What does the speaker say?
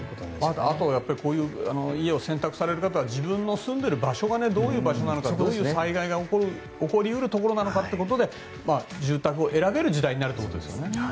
こういう家を選択される方は、自分の家がどういう場所なのかどういう災害が起こり得るところなのかってことで住宅を選べる時代になるということですよね。